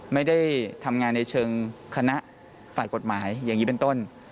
ไม่ได้ทำงานในเชิงคณะฝ่ายกฎหมายอย่างนี้เป็นต้น